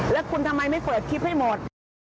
แล้วคุณทำไมไม่เปิดคลิปให้หมด